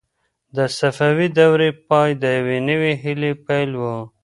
د صفوي دورې پای د یوې نوې هیلې پیل و.